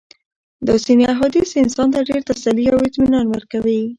دا ځېني احاديث انسان ته ډېره تسلي او اطمنان ورکوي